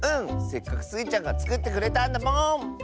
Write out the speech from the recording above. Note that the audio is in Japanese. せっかくスイちゃんがつくってくれたんだもん！